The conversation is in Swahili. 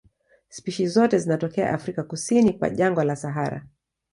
Spishi zote zinatokea Afrika kusini kwa jangwa la Sahara.